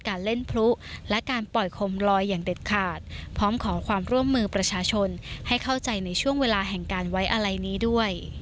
การเล่นพลุและการปล่อยโคมลอยอย่างเด็ดขาดพร้อมขอความร่วมมือประชาชนให้เข้าใจในช่วงเวลาแห่งการไว้อะไรนี้ด้วย